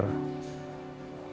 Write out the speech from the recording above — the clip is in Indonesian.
kondisi dia dia sudah berubah